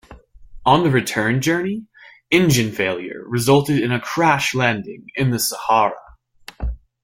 On the return journey, engine failure resulted in a crash-landing in the Sahara.